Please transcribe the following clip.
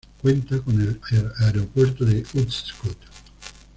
Cuenta con el aeropuerto de Ust-Kut.